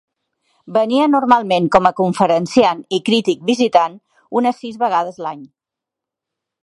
Venia normalment com a conferenciant i crític visitant unes sis vegades l'any.